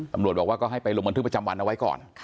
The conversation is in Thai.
ตำรวจบอกว่าก็ให้ไปลงบันทึกประจำวันเอาไว้ก่อน